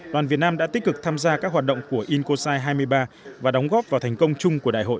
đoàn việt nam đã tích cực tham gia các hoạt động của intosai hai mươi ba và đóng góp vào thành công chung của đại hội